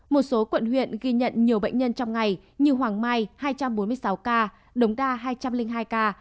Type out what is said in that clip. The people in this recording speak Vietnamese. một số quận huyện ghi nhận nhiều bệnh nhân trong ngày như hoàng mai hai trăm bốn mươi sáu ca đống đa hai trăm linh hai ca